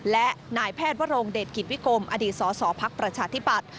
และนายแพทย์วรงเดชกิจวิกรมอดีตสสพักประชาธิปัตย